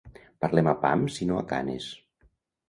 Parlem a pams i no a canes.